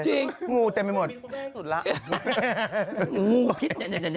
จริงงูเต็มไปหมดงูพิษมันแม่สุดแล้ว